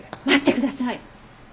待ってください。